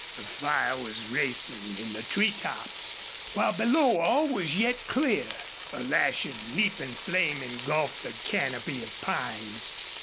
The fire was racing in the tree tops, while below all was yet clear. A lashing, leaping flame engulfed the canopy of pines.